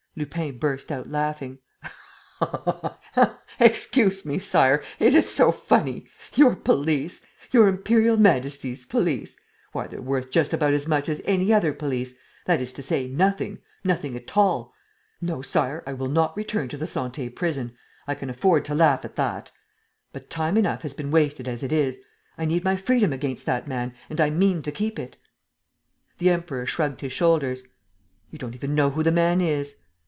Lupin burst out laughing: "Excuse me, Sire! It is so funny! Your police! Your Imperial Majesty's police! Why, they're worth just about as much as any other police, that is to say, nothing, nothing at all! No, Sire, I will not return to the Santé! Prison I can afford to laugh at. But time enough has been wasted as it is. I need my freedom against that man and I mean to keep it." The Emperor shrugged his shoulders: "You don't even know who the man is."